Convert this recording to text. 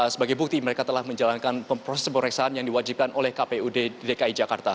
sebagai bukti mereka telah menjalankan proses pemeriksaan yang diwajibkan oleh kpu dki jakarta